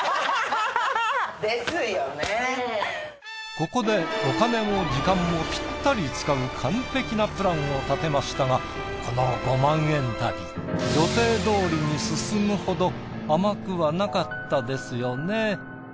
ここでお金も時間もピッタリ使う完璧なプランを立てましたがこの５万円旅予定通りに進むほど甘くはなかったですよね。